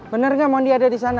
bener gak mondi ada disana